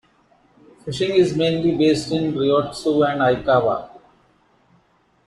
Fishing is mainly based in Ryotsu and Aikawa.